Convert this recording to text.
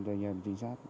cho anh em trinh sát